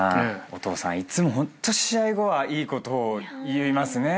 お父さんいつもホント試合後はいいことを言いますね。